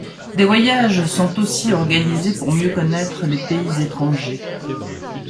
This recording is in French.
Des voyages sont aussi organisés pour mieux connaître les pays étrangers.